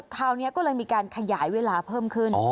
คราวนี้ก็เลยมีการขยายเวลาเพิ่มขึ้น